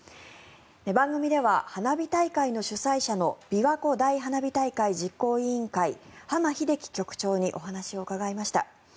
番組では花火大会の主催者のびわ湖大花火大会実行委員会濱秀樹局長にお話を伺いました。